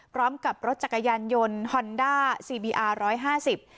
พร้อมกับรถจักรยานยนต์ฮอนด้าซีบีอาร์ร้อยห้าสิบ